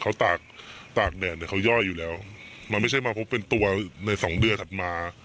เขาตากตากแดดเนี่ยเขาย่อยอยู่แล้วมันไม่ใช่มาพบเป็นตัวในสองเดือนถัดมา